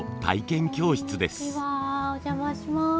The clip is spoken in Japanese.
お邪魔します。